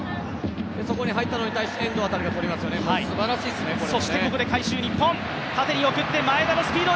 そこに入ったのに対して遠藤航がとりますよね、もうすばらしいですね、これは。